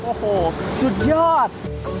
โอ้โหสุดยอด